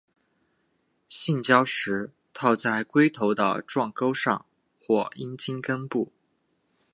性交时套在龟头的状沟上或阴茎根部。